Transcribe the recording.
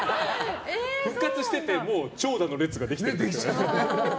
復活しててもう長蛇の列ができてる。